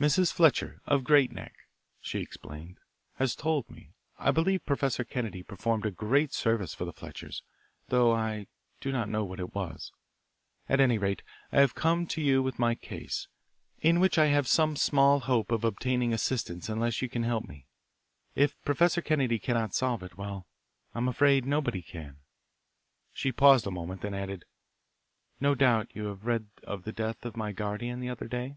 "Mrs. Fletcher, of Great Neck," she explained, "has told me. I believe Professor Kennedy performed a great service for the Fletchers, though I do not know what it was. At any rate, I have come to you with my case, in which I have small hope of obtaining assistance unless you can help me. If Professor Kennedy cannot solve it, well, I'm afraid nobody can." She paused a moment, then added, "No doubt you have read of the death of my guardian the other day."